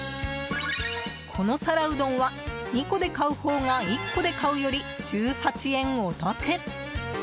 この皿うどんは２個で買うほうが１個で買うより１８円お得。